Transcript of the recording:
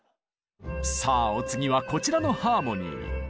さあお次はこちらのハーモニー。